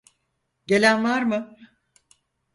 Gelen var mı?